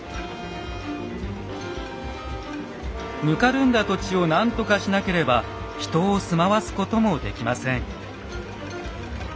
ぬかるんだ土地を何とかしなければ人を住まわすこともできません。